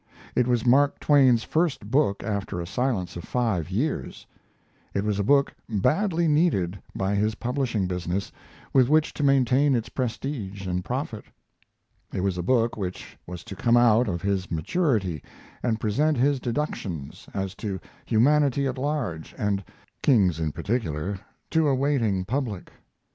It was Mark Twain's first book after a silence of five years; it was a book badly needed by his publishing business with which to maintain its prestige and profit; it was a book which was to come out of his maturity and present his deductions, as to humanity at large and kings in particular, to a waiting public.